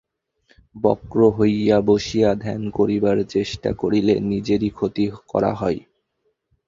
বক্র হইয়া বসিয়া ধ্যান করিবার চেষ্টা করিলে নিজেরই ক্ষতি করা হয়।